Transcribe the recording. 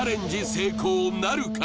成功なるか？